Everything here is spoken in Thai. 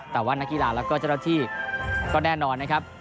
แต่ว่านักกีฬาแล้วก็เจ้าหน้าที่ก็แน่นอนนะครับ